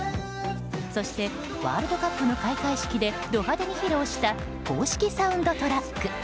そしてワールドカップの開会式でド派手に披露した公式サウンドトラック。